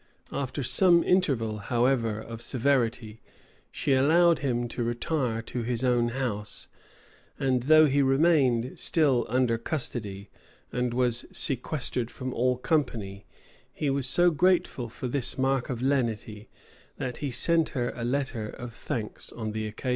[v] After some interval, however, of severity, she allowed him to retire to his own house; and though he remained still under custody, and was sequestered from all company, he was so grateful for this mark of lenity, that he sent her a letter of thanks on the occasion.